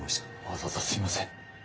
わざわざすいません。